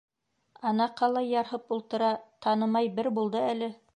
Ана ҡалай ярһып ултыра, танымай бер булды әле.